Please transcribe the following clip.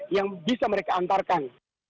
yang bisa mereka antarkan